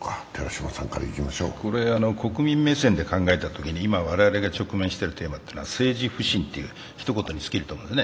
国民目線で考えたときに、今、我々が直面しているテーマは政治不信というひと言に尽きると思うんです。